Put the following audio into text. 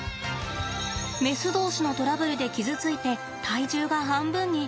メス同士のトラブルで傷ついて体重が半分に。